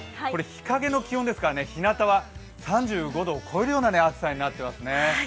日陰の気温ですから、ひなたは３５度を超えるような暑さになっていますね。